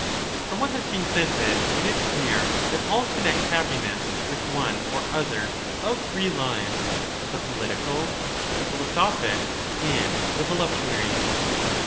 From what has been said, then, it is clear that all connect happiness with one or other of three lives, the ' political ', the philosophic, and the voluptuary's.